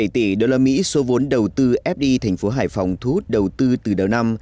bảy tỷ usd số vốn đầu tư fdi thành phố hải phòng thu hút đầu tư từ đầu năm